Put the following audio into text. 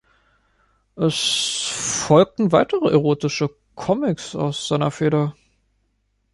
Es folgten weitere erotische Comics aus seiner Feder.